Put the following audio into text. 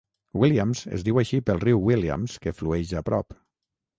Williams es diu així pel riu Williams que flueix a prop.